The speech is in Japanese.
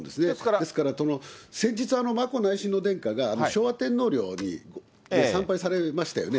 ですから、先日、眞子内親王殿下が、昭和天皇陵に参拝されましたよね。